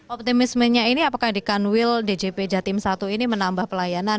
optimismenya ini apakah di kanwil djp jatim satu ini menambah pelayanan